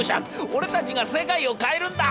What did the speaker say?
俺たちが世界を変えるんだ！』。